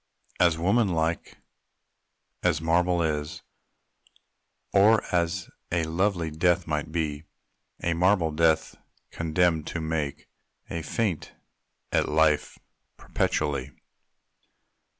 As woman like as marble is, Or as a lovely death might be A marble death condemned to make A feint at life perpetually.